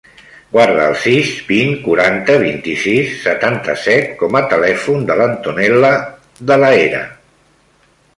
Guarda el sis, vint, quaranta, vint-i-sis, setanta-set com a telèfon de l'Antonella De La Hera.